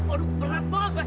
aduh berat bos